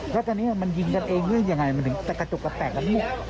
แล้วทีนี้มันยิงกันเองยังไงมันถึงแตกกระจุกกระแปดกับมุก